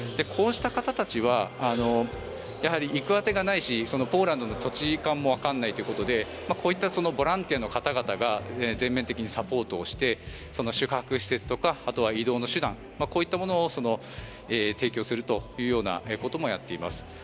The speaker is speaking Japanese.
こうした方たちは行く当てがないしポーランドの土地勘もわからないということでこういったボランティアの方々が全面的にサポートして宿泊施設とか、あとは移動手段こういったものを提供するというようなこともやっています。